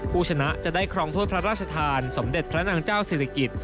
ผู้ชนะจะได้ครองถ้วยพระราชทานสมเด็จพระนางเจ้าศิริกิจ